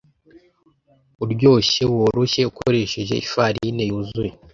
uryoshye, woroshye, akoresheje ifarine yuzuye